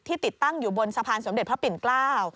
ติดตั้งอยู่บนสะพานสมเด็จพระปิ่นเกล้า